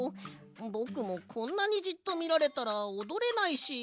ぼくもこんなにじっとみられたらおどれないし。